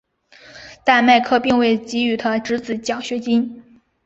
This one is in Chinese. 但麦克并未给予他侄子奖学金。